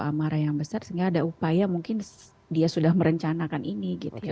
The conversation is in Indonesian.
amarah yang besar sehingga ada upaya mungkin dia sudah merencanakan ini